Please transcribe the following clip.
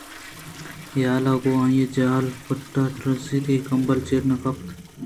اے حیال ءَ گوں آئیءِ جان ءِ پُٹ پیژرت اَنت ءُکمبل ءِ چیر ءَ نہ گیگ بوت